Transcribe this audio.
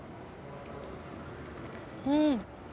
うん。